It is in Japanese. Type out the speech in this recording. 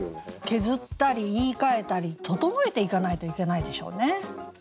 削ったり言いかえたり整えていかないといけないでしょうね。